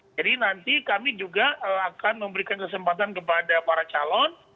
jadi nanti kami juga akan memberikan kesempatan kepada para calon